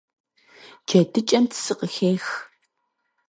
ДжэдыкӀэм цы къыхех.